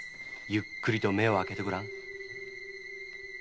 ゆっくりと目を開けてごらん。